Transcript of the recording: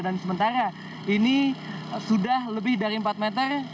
dan sementara ini sudah lebih dari empat meter